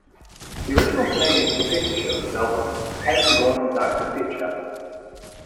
The original Canadian cassette issue of this album came in a glow-in-the-dark cassette shell.